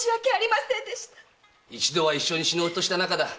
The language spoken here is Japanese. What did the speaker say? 一度は一緒に死のうとした仲だ。